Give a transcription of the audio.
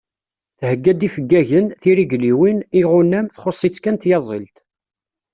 Thegga-d ifeggagen, tirigliwin, iɣunam. Txuṣ-itt kan tyaẓilt.